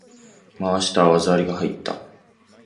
回した！技ありが入った！